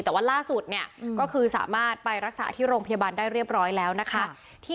แต่ว่าล่าสุดเนี่ยก็คือสามารถไปรักษาที่โรงพยาบาลได้เรียบร้อยแล้วนะคะ